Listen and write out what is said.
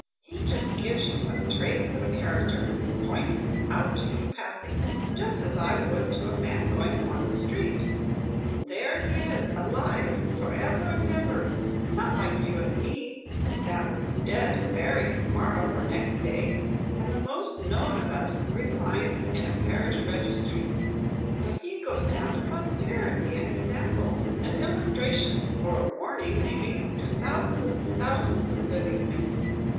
He just gives you some traits of a character, he points him out to you passing, just as I would to a man going along the street, and there he is alive for ever and ever; not like you and me, that will be dead and buried to morrow or next day, and the most known of us three lines in a parish registhry, but he goes down to posterity an example, an illustration or a warning, maybe to thousands and thousands of living men.